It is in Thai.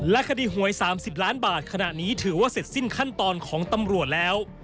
คดีหวย๓๐ล้านบาทขณะนี้ถือว่าเสร็จสิ้นขั้นตอนของตำรวจแล้ว